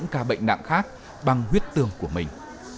cả bệnh nặng khác bằng huyết tương của mình